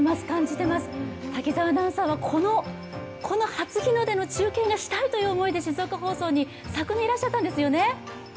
滝澤アナウンサーはこの初日の出の中継がしたいという思いで静岡放送に昨年いらっしゃったんですよね？